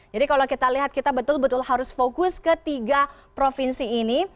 jadi kalau kita lihat kita betul betul harus fokus ke tiga provinsi ini